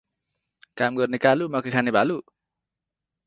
काम गर्ने कालु मकै खाने भालु